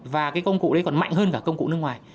và cái công cụ đấy còn mạnh hơn cả công cụ nước ngoài